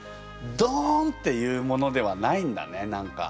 どんっていうものではないんだね何か。